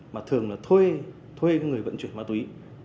mà thường là thuê người vận chuyển ma túy